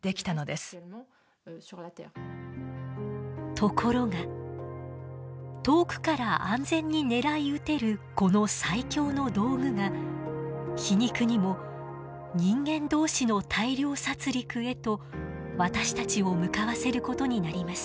ところが遠くから安全に狙い撃てるこの最強の道具が皮肉にも人間同士の大量殺戮へと私たちを向かわせることになります。